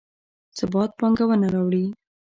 ثبات پانګونه راوړي